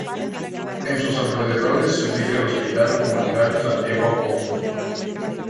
En sus alrededores se ubica el Hospital Comarcal Santiago Apóstol.